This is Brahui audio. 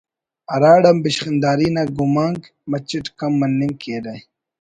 ہراڑان بشخندہ نا گمانک مچٹ کم مننگ کیرہ